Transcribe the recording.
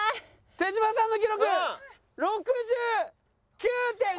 手島さんの記録６９．５！